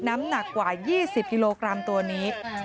น้ำหนักกว่า๒๐กิโลกรัมตัวนี้